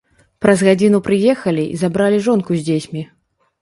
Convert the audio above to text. Праз гадзіну прыехалі і забралі жонку з дзецьмі.